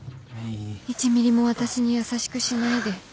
１ミリも私に優しくしないで